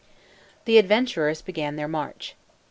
The adventurers began their march.